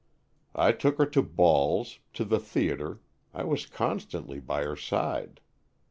I took her to balls, to the theater, I was constantly by her side.